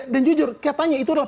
dan jujur katanya itu adalah